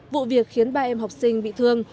vụ việc khiến ba em học sinh bị thương